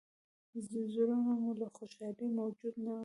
زړونه مو له خوشالۍ موجونه وهي.